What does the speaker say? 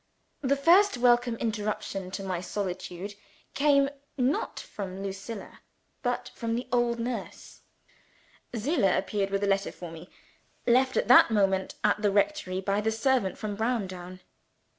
The first welcome interruption to my solitude came not from Lucilla but from the old nurse. Zillah appeared with a letter for me: left that moment at the rectory by the servant from Browndown.